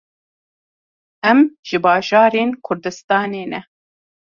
Em ji bajarên Kurdistanê ne.